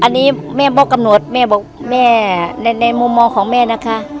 อันนี้แม่บอกกำหนดแม่บอกแม่ในมุมมองของแม่นะคะ